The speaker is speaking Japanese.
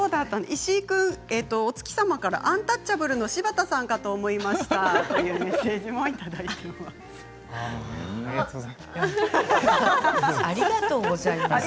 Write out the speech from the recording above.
石井君アンタッチャブルの柴田さんかと思いました、というメッセージも届いています。